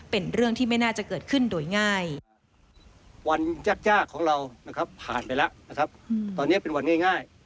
เป็นเรื่องที่ไม่น่าจะเกิดขึ้นโดยง่าย